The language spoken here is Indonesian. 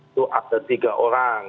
itu ada tiga orang